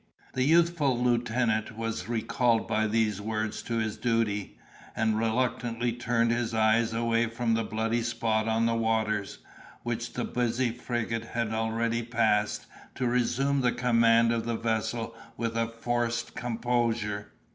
The youthful lieutenant was recalled by these words to his duty, and reluctantly turned his eyes away from the bloody spot on the waters, which the busy frigate had already passed, to resume the command of the vessel with a forced composure.